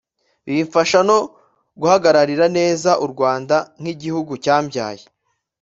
bimfasha no guhagararira neza u Rwanda nk’igihugu cyambyaye